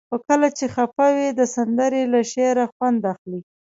خو کله چې خفه وئ د سندرې له شعره خوند اخلئ.